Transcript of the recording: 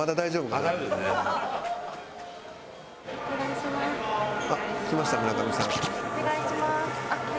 お願いします。